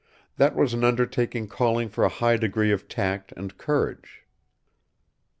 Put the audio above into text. That was an undertaking calling for a high degree of tact and courage.